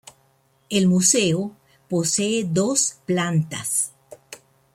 El museo posee dos plantas.